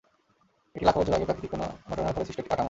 এটি লাখো বছর আগে প্রাকৃতিক কোনো ঘটনার ফলে সৃষ্ট একটি কাঠামো।